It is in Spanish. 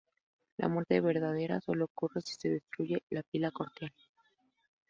La muerte verdadera solo ocurre si se destruye la "pila cortical".